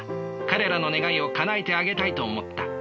彼らの願いをかなえてあげたいと思った。